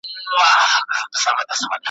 او موږ داسي ژوند وي کړی چي سي نورو ته پندونه `